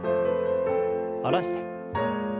下ろして。